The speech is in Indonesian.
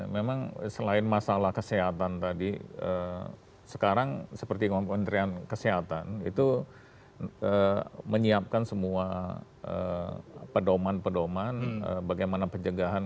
memang selain masalah kesehatan tadi sekarang seperti kementerian kesehatan itu menyiapkan semua pedoman pedoman bagaimana pencegahan